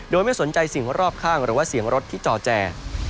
โดยไม่สนใจสิ่งรอบข้างหรือว่าเสียงรถที่จอแจ